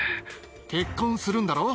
結婚するんだろ？